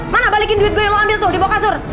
mana balikin duit gue lo ambil tuh di bawah kasur